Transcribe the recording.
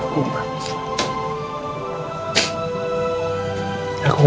cinta pertama aku mama